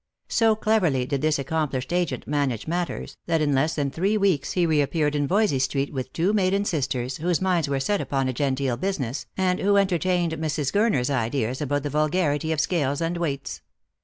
So cleverly did this accomplished agent manage matters, that in less than three weeks he reappeared in Yoysey street with two maiden sisters, whose minds were set upon a genteel business, and who entertained Mrs. Gurner's ideas about the vulgarity of scales and weights.